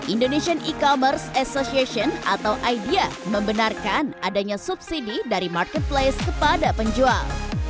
indonesian e commerce association atau idea membenarkan adanya subsidi dari marketplace kepada penjual